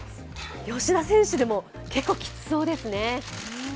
吉田選手でも結構きつそうですね。